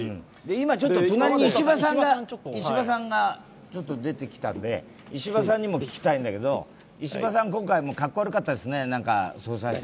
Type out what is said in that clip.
今、隣に石破さんが出てきたので、石破さんにも聞きたいんだけど石破さん、今回かっこ悪かったですね、総裁選。